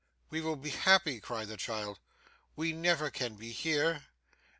'We will be happy,' cried the child. 'We never can be here.